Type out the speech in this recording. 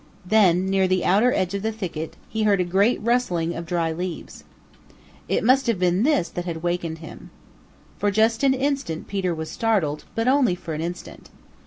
Then, near the outer edge of the thicket, he heard a great rustling of dry leaves. It must have been this that had wakened him. For just an instant Peter was startled, but only for an instant.